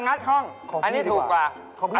เอออันนี้ถูกสุดแล้ว